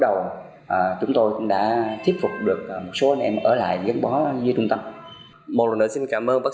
đầu chúng tôi đã thiết phục được số anh em ở lại giấc bó như trung tâm một lần nữa xin cảm ơn bác